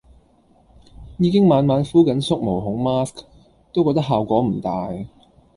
已經晚晚敷緊縮毛孔 mask 都覺得效果唔大